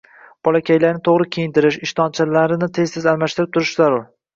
Bolakaylarni to‘g‘ri kiyintirish, ishtonchalarini tez-tez almashtirib turish zarur.